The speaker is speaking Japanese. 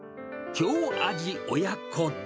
京味親子丼。